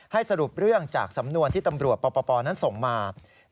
ให้สรุปเรื่องจากสำนวนที่ทางบกปชนั้นส่งมา